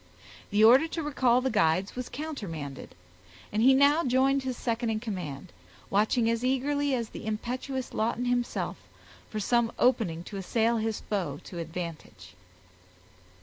The order to recall the guides was countermanded, and he now joined his second in command, watching as eagerly as the impetuous Lawton himself, for some opening to assail his foe to advantage.